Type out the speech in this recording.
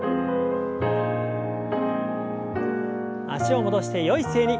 脚を戻してよい姿勢に。